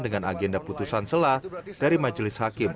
dengan agenda putusan selah dari majelis hakim